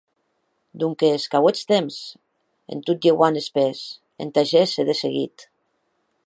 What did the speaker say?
Donques qu’auetz temps, en tot lheuant es pès, entà gésser de seguit.